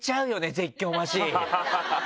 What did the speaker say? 絶叫マシン。